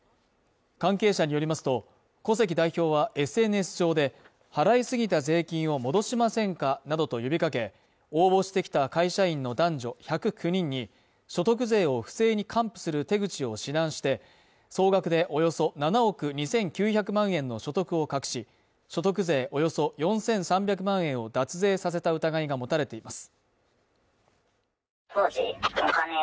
関係者によりますと、古関代表はＳＮＳ上で払いすぎた税金を戻しませんかなどと呼びかけ、応募してきた会社員の男女１０９人に所得税を不正に還付する手口を指南して総額でおよそ７億２９００万円の所得を隠し、所得税およそ４３００万円を脱税させた疑いが持たれています。